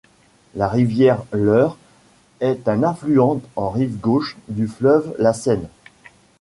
La rivière l'Eure est un affluent en rive gauche du fleuve la Seine.